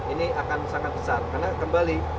ini akan sangat besar karena kembali